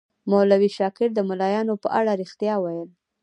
مولوي شاکر د ملایانو په اړه ریښتیا ویل.